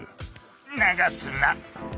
流すな！